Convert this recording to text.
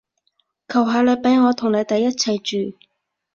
求下你畀我同你哋一齊住